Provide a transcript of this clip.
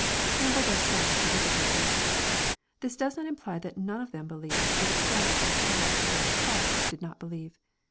— Campbell thus solves the difficulty :" This doe§ not imply that none of them believed, but that several, perhaps the greater part, did not believe.